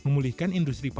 memulihkan industri pandemi